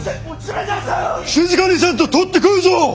静かにせんととって食うぞ！